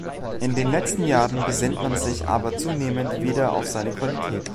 In den letzten Jahren besinnt man sich aber zunehmend wieder auf seine Qualitäten.